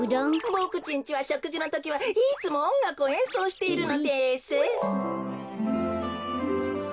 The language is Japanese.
ボクちんちはしょくじのときはいつもおんがくをえんそうしているのです。